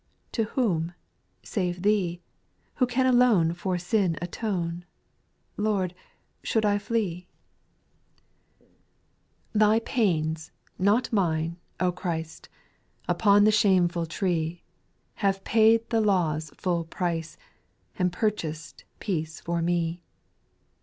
To whom, save Thee, Who can alone For sin atone. Lord, shall I flee ? 30* \ 842 SPIRITUAL SONGS. 2, Thy pains, not mine, O Christ I Upon the shameful tree, Have paid the law's full price, And purchased peace for me.